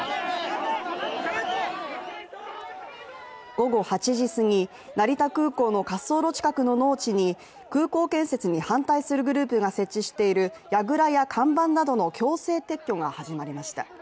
午後８時すぎ、成田空港の滑走路近くの農地に、空港建設に反対するグループが設置している、やぐらや看板などの強制撤去が始まりました。